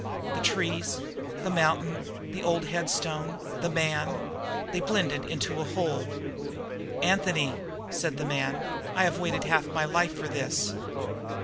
The trees, the mountain, the old headstone, the man they blended into a whole. "Anthony!" said the man, "I have waited half my life for this!"